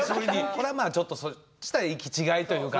これはまあちょっとした行き違いというかね。